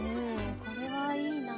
これはいいな。